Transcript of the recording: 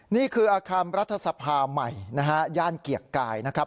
นี่คืออาคารรัฐสภาใหม่นะฮะย่านเกียรติกายนะครับ